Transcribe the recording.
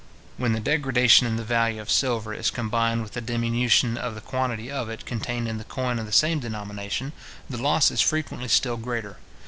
When the degradation in the value of silver is combined with the diminution of the quantity of it contained in the coin of the same denomination, the loss is frequently still greater.